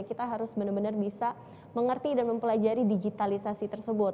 kita harus benar benar bisa mengerti dan mempelajari digitalisasi tersebut